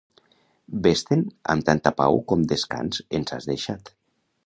Ves-te'n amb tanta pau com descans ens has deixat.